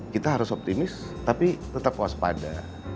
kita harus optimis tapi tetap waspada